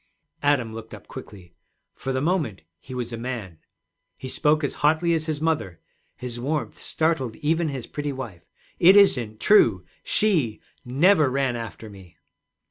Adam looked up quickly. For the moment he was a man. He spoke as hotly as his mother; his warmth startled even his pretty wife. 'It isn't true; she never ran after me.'